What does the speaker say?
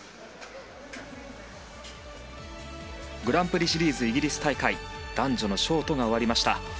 グランプリシリーズイギリス大会男女のショートが終わりました。